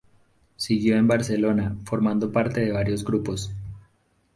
Siguió en Barcelona, formando parte de varios grupos.